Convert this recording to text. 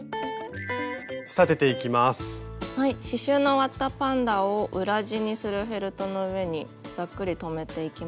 刺しゅうの終わったパンダを裏地にするフェルトの上にざっくり留めていきます。